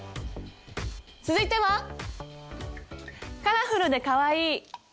続いてはカラフルでかわいい！